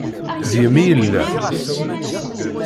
Deg-m i yella.